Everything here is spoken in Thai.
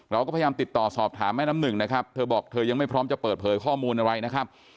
เราก็พยายามติดต่อสอบถามแม่น้ำหนึ่งนะครับเธอบอกเธอยังไม่พร้อมจะเปิดเผยข้อมูลอะไรนะครับ